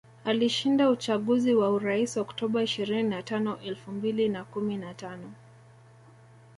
Alishinda uchaguzi wa urais Oktoba ishirini na tano elfu mbili na kumi na tano